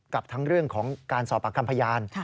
กับทั้งเรื่องของการสอบปากคำพยาน